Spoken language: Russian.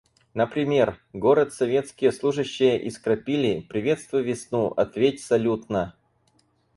Например: город советские служащие искрапили, приветствуй весну, ответь салютно!